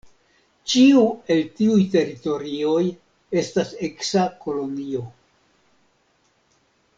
Ĉiu el tiuj teritorioj estas eksa kolonio.